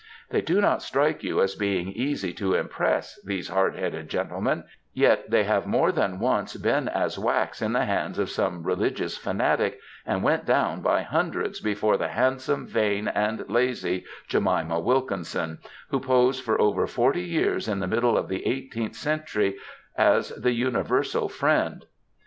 ^ They do not strike you as being easy to impress, these hard headed gentlemen, yet they have more than once been as wax in the hands of some religious fanatic, and went down by hundreds before the handsome, vain, and lazy Jemima Wilkinson, who posed for over forty years in the middle of the eighteenth century as the ^^ Universal Friend.